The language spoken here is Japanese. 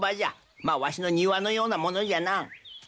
まあわしの庭のようなものじゃな。